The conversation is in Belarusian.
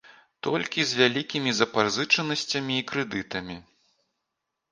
Толькі з вялікімі запазычанасцямі і крэдытамі.